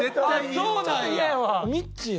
そうなんや。